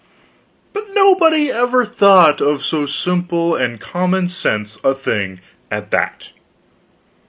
But nobody ever thought of so simple and common sense a thing at that.